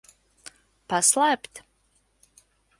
Paslēpt?